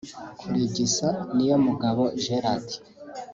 Kurigisa Niyomugabo Gerard